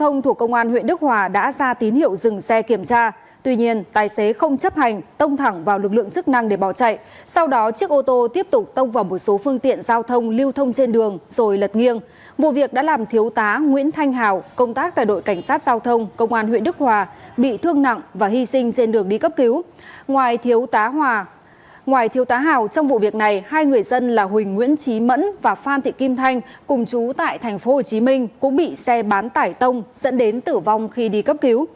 ngoài thiêu tá hảo trong vụ việc này hai người dân là huỳnh nguyễn trí mẫn và phan thị kim thanh cùng chú tại tp hcm cũng bị xe bán tải tông dẫn đến tử vong khi đi cấp cứu